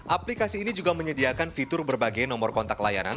aplikasi ini juga menyediakan fitur berbagai nomor kontak layanan